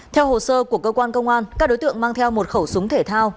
theo hồ sơ của cơ quan công an các đối tượng mang theo một khẩu súng thể thao